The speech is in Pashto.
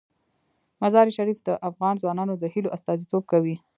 مزارشریف د افغان ځوانانو د هیلو استازیتوب کوي.